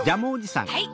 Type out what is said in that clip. はい。